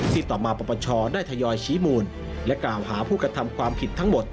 ต่อมาปรปชได้ทยอยชี้มูลและกล่าวหาผู้กระทำความผิดทั้งหมด